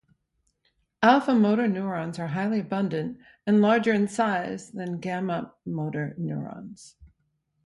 Alpha motor neurons are highly abundant and larger in size than gamma motor neurons.